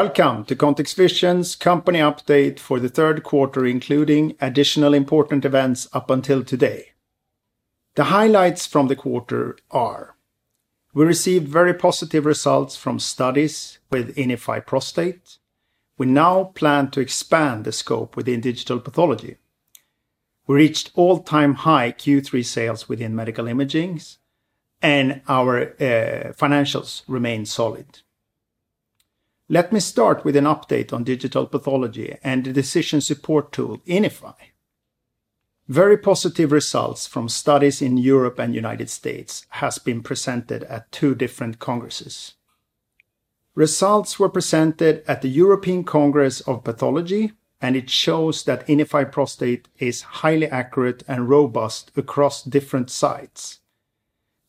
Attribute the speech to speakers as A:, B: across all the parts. A: Welcome to ContextVision's Company update for the third quarter, including additional important events up until today. The highlights from the quarter are: we received very positive results from studies with INIFY Prostate. We now plan to expand the scope within digital pathology. We reached all-time high Q3 sales within medical imaging, and our financials remain solid. Let me start with an update on digital pathology and the decision support tool, INIFY. Very positive results from studies in Europe and U.S. has been presented at two different congresses. Results were presented at the European Congress of Pathology, and it shows that INIFY Prostate is highly accurate and robust across different sites.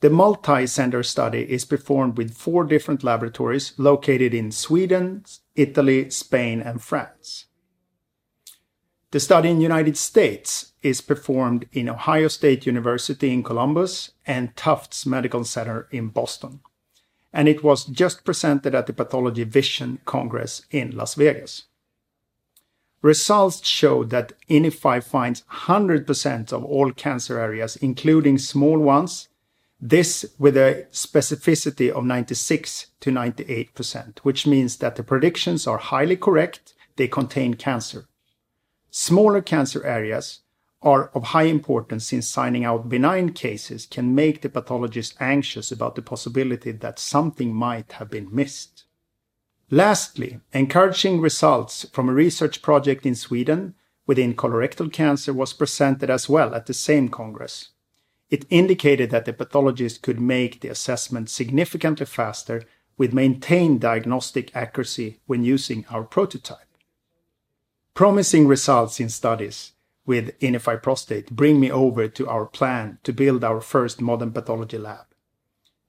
A: The multicenter study is performed with four different laboratories located in Sweden, Italy, Spain, and France. The study in U.S. is performed in The Ohio State University in Columbus and Tufts Medical Center in Boston, and it was just presented at the Pathology Visions Congress in Las Vegas. Results show that INIFY finds 100% of all cancer areas, including small ones. This with a specificity of 96%-98%, which means that the predictions are highly correct, they contain cancer. Smaller cancer areas are of high importance since signing out benign cases can make the pathologist anxious about the possibility that something might have been missed. Lastly, encouraging results from a research project in Sweden within colorectal cancer was presented as well at the same congress. It indicated that the pathologist could make the assessment significantly faster with maintained diagnostic accuracy when using our prototype. Promising results in studies with INIFY Prostate bring me over to our plan to build our first modern pathology lab.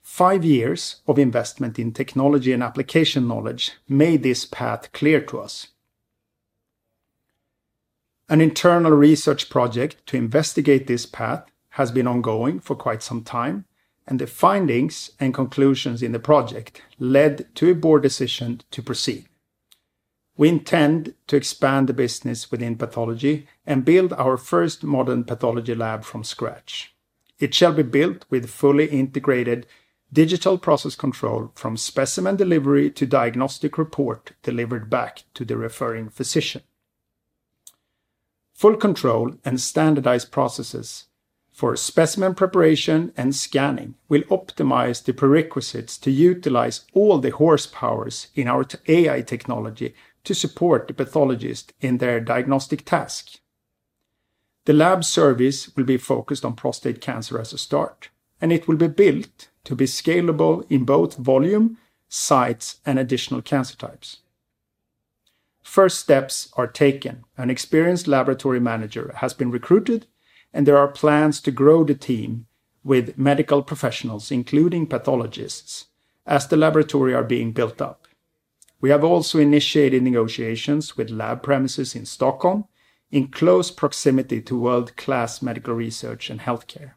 A: Five years of investment in technology and application knowledge made this path clear to us. An internal research project to investigate this path has been ongoing for quite some time, and the findings and conclusions in the project led to a board decision to proceed. We intend to expand the business within pathology and build our first modern pathology lab from scratch. It shall be built with fully integrated digital process control from specimen delivery to diagnostic report delivered back to the referring physician. Full control and standardized processes for specimen preparation and scanning will optimize the prerequisites to utilize all the horsepowers in our AI technology to support the pathologist in their diagnostic task. The lab service will be focused on prostate cancer as a start, and it will be built to be scalable in both volume, sites, and additional cancer types. First steps are taken. An experienced laboratory manager has been recruited, and there are plans to grow the team with medical professionals, including pathologists, as the laboratory are being built up. We have also initiated negotiations with lab premises in Stockholm, in close proximity to world-class medical research and healthcare.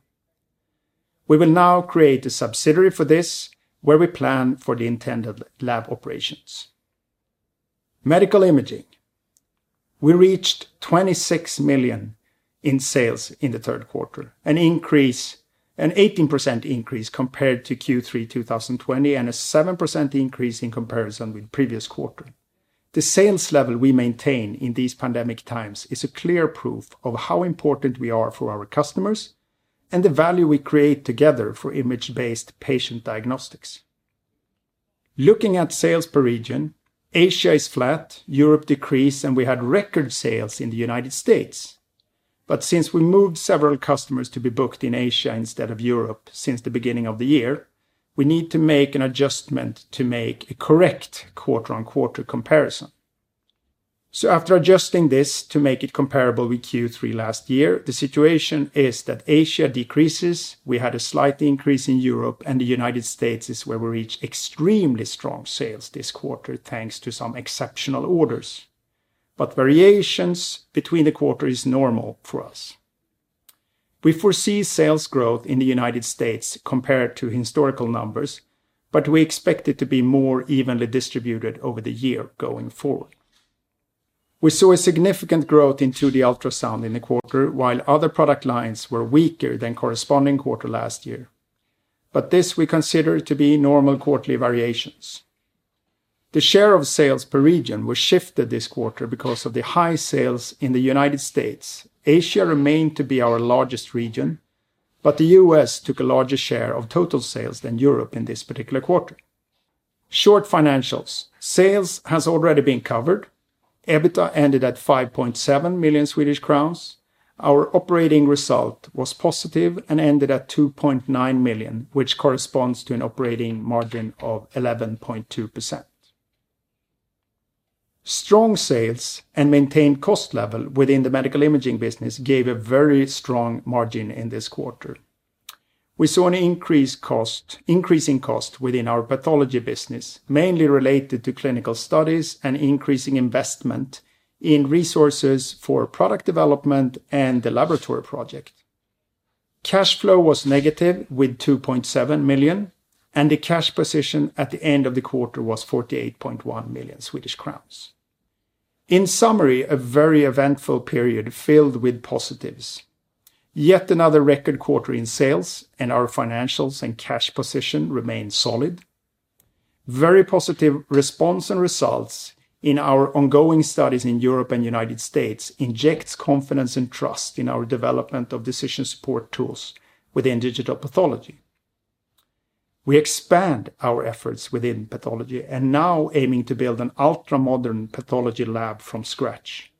A: We will now create a subsidiary for this where we plan for the intended lab operations. Medical imaging. We reached 26 million in sales in the third quarter, an 18% increase compared to Q3 2020 and a 7% increase in comparison with previous quarter. The sales level we maintain in these pandemic times is a clear proof of how important we are for our customers and the value we create together for image-based patient diagnostics. Looking at sales per region, Asia is flat, Europe decreased, and we had record sales in the United States. Since we moved several customers to be booked in Asia instead of Europe since the beginning of the year, we need to make an adjustment to make a correct quarter-on-quarter comparison. After adjusting this to make it comparable with Q3 last year, the situation is that Asia decreases, we had a slight increase in Europe, and the United States is where we reached extremely strong sales this quarter, thanks to some exceptional orders. Variations between the quarter is normal for us. We foresee sales growth in the United States compared to historical numbers, but we expect it to be more evenly distributed over the year going forward. We saw a significant growth in 2D ultrasound in the quarter, while other product lines were weaker than corresponding quarter last year. This we consider to be normal quarterly variations. The share of sales per region was shifted this quarter because of the high sales in the U.S. Asia remained to be our largest region, but the U.S. took a larger share of total sales than Europe in this particular quarter. Short financials. Sales has already been covered. EBITDA ended at 5.7 million Swedish crowns. Our operating result was positive and ended at 2.9 million, which corresponds to an operating margin of 11.2%. Strong sales and maintained cost level within the medical imaging business gave a very strong margin in this quarter. We saw an increasing cost within our pathology business, mainly related to clinical studies and increasing investment in resources for product development and the laboratory project. Cash flow was negative with 2.7 million, and the cash position at the end of the quarter was 48.1 million Swedish crowns. In summary, a very eventful period filled with positives. Yet another record quarter in sales, and our financials and cash position remain solid. Very positive response and results in our ongoing studies in Europe and United States injects confidence and trust in our development of decision support tools within digital pathology. We expand our efforts within pathology and now aiming to build an ultra-modern pathology lab from scratch.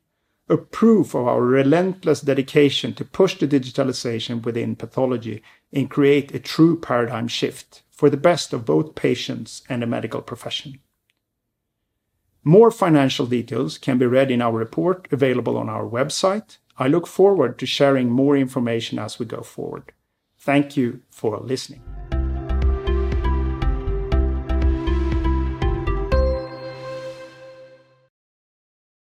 A: A proof of our relentless dedication to push the digitalization within pathology and create a true paradigm shift for the best of both patients and the medical profession. More financial details can be read in our report available on our website. I look forward to sharing more information as we go forward. Thank you for listening.